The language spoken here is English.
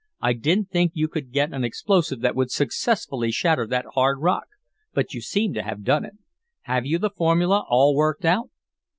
"I didn't think you could get an explosive that would successfully shatter that hard rock, but you seem to have done it. Have you the formula all worked out?"